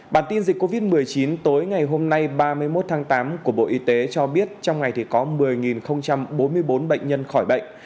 bản tin dịch covid một mươi chín tối ngày hôm nay ba mươi một tháng tám của bộ y tế cho biết trong ngày thì có một mươi bốn mươi bốn bệnh nhân khỏi bệnh